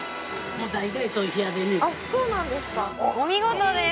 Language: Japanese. お見事です。